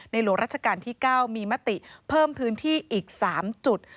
หลวงราชการที่๙มีมติเพิ่มพื้นที่อีก๓จุด